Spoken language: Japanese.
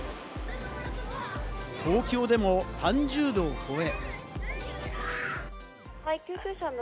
東京でも３０度を超え。